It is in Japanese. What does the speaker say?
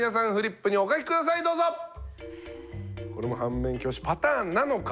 これも反面教師パターンなのか？